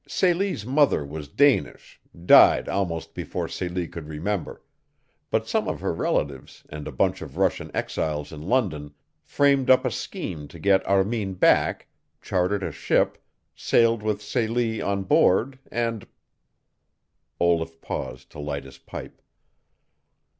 Celie's mother was Danish died almost before Celie could remember; but some of her relatives and a bunch of Russian exiles in London framed up a scheme to get Armin back, chartered a ship, sailed with Celie on board, and " Olaf paused to light his pipe.